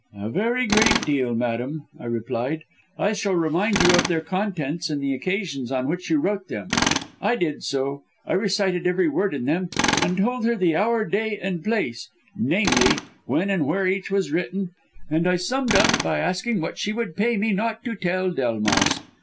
"'A very great deal, madam,' I replied, 'shall I remind you of their contents and the occasions on which you wrote them?' I did so. I recited every word in them and told her the hour, day and place namely, when and where each was written, and I summed up by asking what she would pay me not to tell Delmas.